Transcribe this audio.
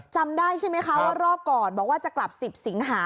จำได้ใช่ไหมคะว่ารอบก่อนบอกว่าจะกลับ๑๐สิงหา